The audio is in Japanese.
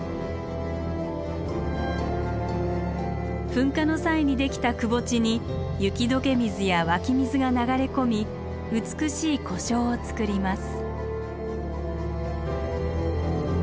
噴火の際にできたくぼ地に雪解け水や湧き水が流れ込み美しい湖沼をつくります。